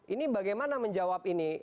ini bagaimana menjawab ini